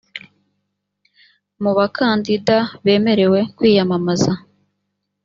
mu bakandida bemerewe kwiyamamaza